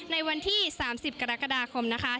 ในวันที่๓๐กรกฎาคมนะคะ